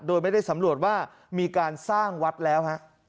โดยไม่ได้สำรวจว่ามีการสร้างวัดแล้วฮะ